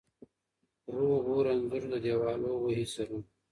روغ وو رنځور له دیوالو وهي سرونه